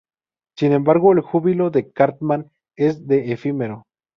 Sin embargo, el júbilo de Cartman es de efímero.